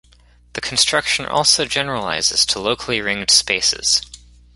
The construction also generalizes to locally ringed spaces.